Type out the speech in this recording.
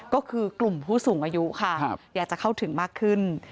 ก็คือกลุ่มผู้สูงอายุค่ะอยากจะเข้าถึงมากขึ้น